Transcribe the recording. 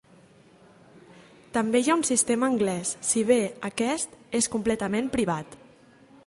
També hi ha un sistema anglès, si bé aquests és completament privat.